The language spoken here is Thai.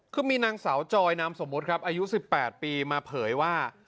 คือมีนางสาวจอยนามสมมุติครับอายุ๑๘ปีมาเผยว่า